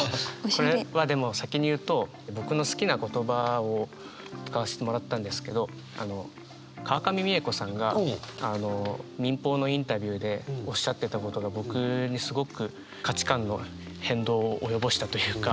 これはでも先に言うと僕の好きな言葉を使わせてもらったんですけど川上未映子さんが民放のインタビューでおっしゃってたことが僕にすごく価値観の変動を及ぼしたというか。